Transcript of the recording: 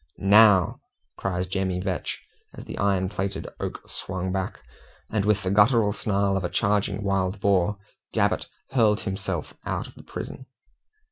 "NOW!" cries Jemmy Vetch, as the iron plated oak swung back, and with the guttural snarl of a charging wild boar, Gabbett hurled himself out of the prison.